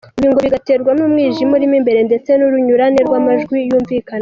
Ibi ngo bigaterwa n’umwijima urimo imbere ndetse n’urunyuranyurane rw’amajwi yumvikanamo.